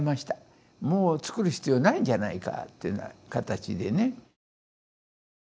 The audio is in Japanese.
もう作る必要ないんじゃないかっていうようなかたちでね。